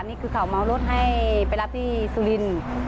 รอบ๓นี่คือแก่าเล่นรถใส่ไปรับที่สุรินทร์